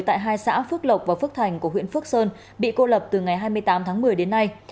tại hai xã phước lộc và phước thành của huyện phước sơn bị cô lập từ ngày hai mươi tám tháng một mươi đến nay